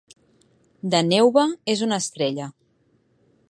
Deneuve és una estrella.